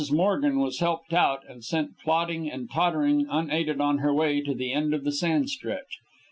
Morgan was helped out and sent plodding and tottering unaided on her way to the end of the sand stretch.